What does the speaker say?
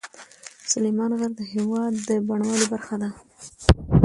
سلیمان غر د هېواد د بڼوالۍ برخه ده.